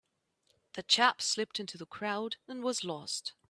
The chap slipped into the crowd and was lost.